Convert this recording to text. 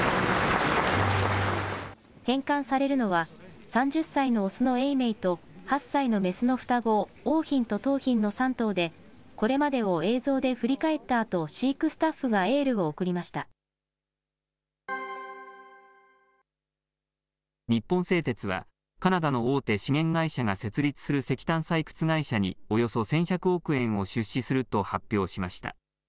返還されるのは、３０歳の雄の永明と、８歳の雌の双子、桜浜と桃浜の３頭で、これまでを映像で振り返ったあと、飼育スタッフがエールを送りまし日本製鉄は、カナダの大手資源会社が設立する石炭採掘会社に、およそ１１００億円を出資すると発表しました。